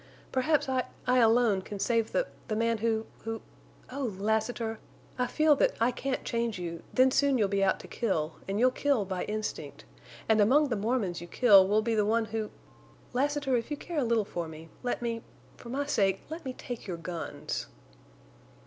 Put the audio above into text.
Perhaps I—I alone can save the—the man who—who—Oh, Lassiter!... I feel that I can't change you—then soon you'll be out to kill—and you'll kill by instinct—and among the Mormons you kill will be the one—who... Lassiter, if you care a little for me—let me—for my sake—let me take your guns!"